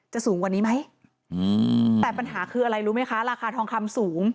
สูงกว่านี้ไหมแต่ปัญหาคืออะไรรู้ไหมคะราคาทองคำสูง